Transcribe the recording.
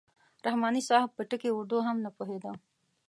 رحماني صاحب په ټکي اردو هم نه پوهېده.